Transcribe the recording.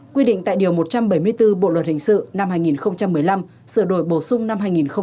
quy định tại điều một trăm bảy mươi bốn bộ luật hình sự năm hai nghìn một mươi năm sửa đổi bổ sung năm hai nghìn một mươi bảy